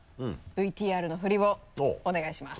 ＶＴＲのフリをお願いします。